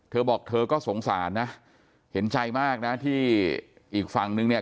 เธอบอกเธอก็สงสารนะเห็นใจมากนะที่อีกฝั่งนึงเนี่ย